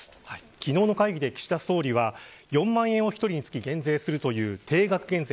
昨日の会議で、岸田総理は４万円を１人につき減税するという定額減税。